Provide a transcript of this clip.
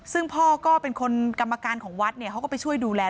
ซึ่งพ่อก็เป็นคนกรรมการของวัดเนี่ยเขาก็ไปช่วยดูแล